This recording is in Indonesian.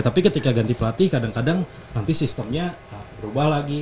tapi ketika ganti pelatih kadang kadang nanti sistemnya berubah lagi